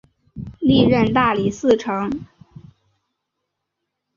历任大理寺丞。